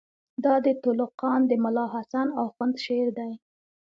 دا د تُلُقان د ملاحسن آخوند شعر دئ.